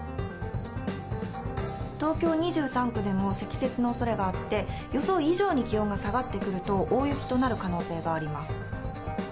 東京２３区でも積雪のおそれがあって、予想以上に気温が下がってくると、大雪となる可能性があります。